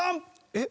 えっ